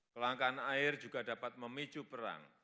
kelangkaan air juga dapat memicu perang